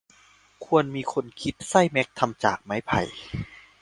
ควรมีคนคิดไส้แม็กทำจากไม้ไผ่